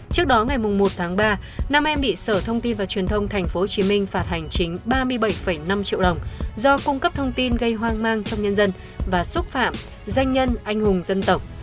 trước đó ngày một tháng ba nam em bị sở thông tin và truyền thông tp hcm phạt hành chính ba mươi bảy năm triệu đồng do cung cấp thông tin gây hoang mang trong nhân dân và xúc phạm danh nhân anh hùng dân tộc